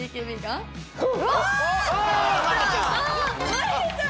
マリーちゃん！